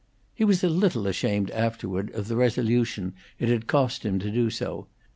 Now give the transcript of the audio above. He was a little ashamed afterward of the resolution it had cost him to do so.